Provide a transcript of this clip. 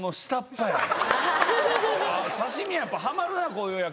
刺身やっぱはまるなこういう役。